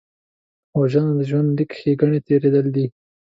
وژنه د ژوند له ښېګڼې تېرېدل دي